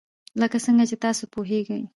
لکه څنګه چې تاسو پوهیږئ.